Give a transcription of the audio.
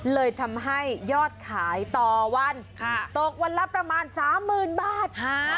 เลยทำให้ยอดขายต่อวันตกวันละประมาณ๓๐๐๐บาท